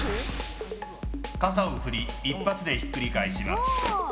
傘を振り一発でひっくり返します。